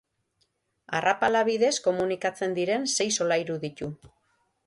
Arrapala bidez komunikatzen diren sei solairu ditu.